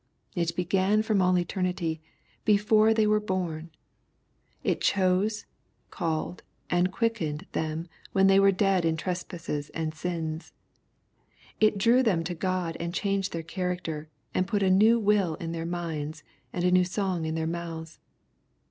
It began from all eternity, before they were born. It chose, called, and quickened them when they were dead in trespasses and sins. It drew them to God and changed their character, and put a new will in their minds, and a new song in their mouths.